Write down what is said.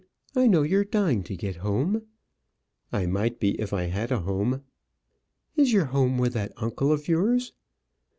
I know you're dying to get home." "I might be if I had a home." "Is your home with that uncle of yours?"